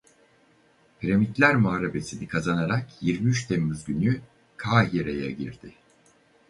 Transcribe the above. Piramitler Muharebesi'ni kazanarak yirmi üç Temmuz günü Kahire'ye girdi.